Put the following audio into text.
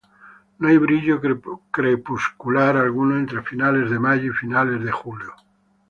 No hay brillo crepuscular alguno entre finales de mayo y finales de julio.